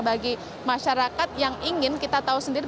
bagi masyarakat yang ingin kita tahu sendiri